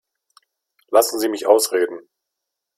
Lassen Sie mich ausreden.